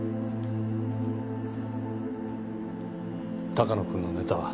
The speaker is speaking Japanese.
鷹野君のネタは？